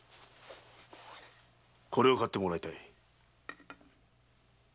これを買ってもらいたい。